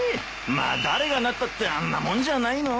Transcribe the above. まあ誰がなったってあんなもんじゃないの？